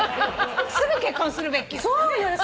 すぐ結婚するべきよね。